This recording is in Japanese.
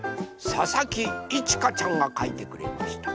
ささきいちかちゃんがかいてくれました。